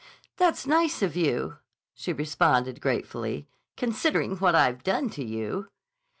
"That's nice of you," she responded gratefully, "considering what I've done to you."